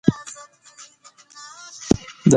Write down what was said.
بادي انرژي د افغانستان د انرژۍ سکتور برخه ده.